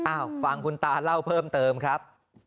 ฟังคุณตาเล่าเพิ่มเติมครับ